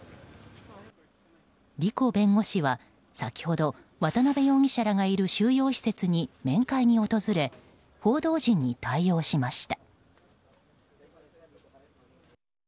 リコ弁護士は先ほど渡辺容疑者らがいる収容施設に面会に訪れ報道陣に対応しました。